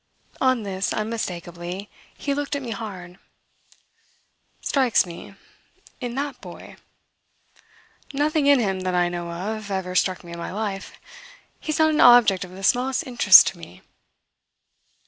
On this, unmistakably, he looked at me hard. "'Strikes' me in that boy? Nothing in him, that I know of, ever struck me in my life. He's not an object of the smallest interest to me!"